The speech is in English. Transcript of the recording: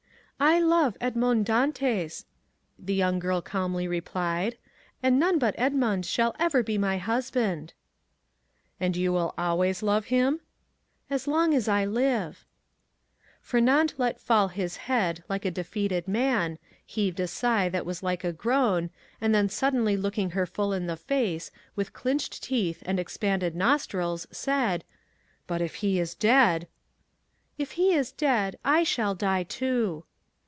"I love Edmond Dantès," the young girl calmly replied, "and none but Edmond shall ever be my husband." "And you will always love him?" "As long as I live." Fernand let fall his head like a defeated man, heaved a sigh that was like a groan, and then suddenly looking her full in the face, with clenched teeth and expanded nostrils, said,—"But if he is dead——" "If he is dead, I shall die too."